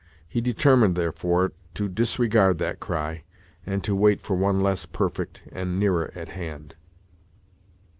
He determined, therefore, to disregard that cry, and to wait for one less perfect and nearer at hand.